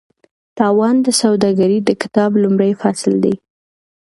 تاوان د سوداګرۍ د کتاب لومړی فصل دی.